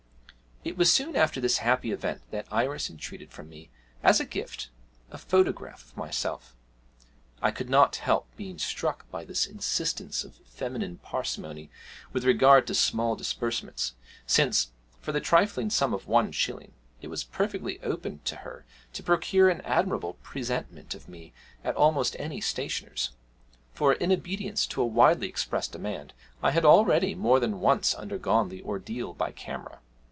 It was soon after this happy event that Iris entreated from me, as a gift, a photograph of myself. I could not help being struck by this instance of feminine parsimony with regard to small disbursements, since, for the trifling sum of one shilling, it was perfectly open to her to procure an admirable presentment of me at almost any stationer's; for, in obedience to a widely expressed demand, I had already more than once undergone the ordeal by camera.